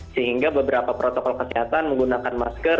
sehingga beberapa protokol kesehatan menggunakan masker